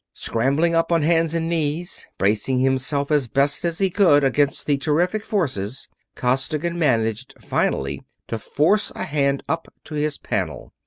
Scrambling up on hands and knees, bracing himself as best he could against the terrific forces, Costigan managed finally to force a hand up to his panel.